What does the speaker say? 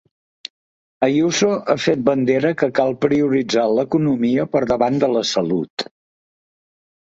Ayuso ha fet bandera que cal prioritzar l’economia per davant de la salut.